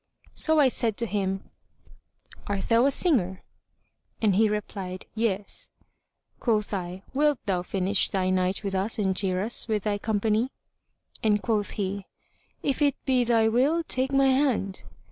So I said to him, "Art thou a singer?" and he replied, "Yes." Quoth I, "Wilt thou finish thy night with us and cheer us with thy company?"; and quoth he, "If it be thy will, take my hand."